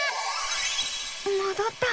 もどった。